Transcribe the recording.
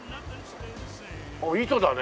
あっ糸だね